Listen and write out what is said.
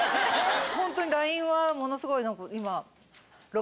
ほんとにＬＩＮＥはものすごい何か今。